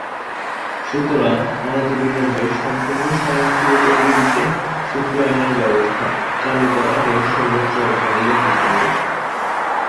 সুতরাং, অনতিবিলম্বে সম্পর্ণূ স্বয়ংক্রিয় পদ্ধতিতে শুল্কায়নের ব্যবস্থা চালু করাকে সর্বোচ্চ অগ্রাধিকার দিতে হবে।